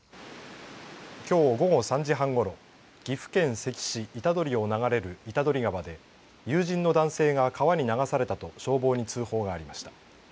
きょう午後３時半ごろ岐阜県関市板取を流れる板取川で友人の男性が川に流されたと消防に通報がありました。